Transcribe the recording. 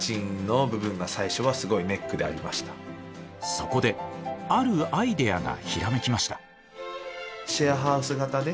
そこであるアイデアがひらめきました。